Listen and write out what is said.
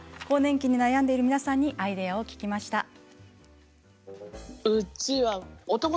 更年期に悩んでいる皆さんにアイデアを聞きました。